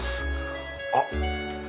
あっ！